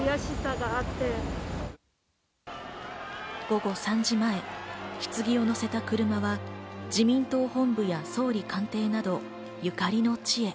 午後３時前、棺を乗せた車は自民党本部や総理官邸などゆかりの地へ。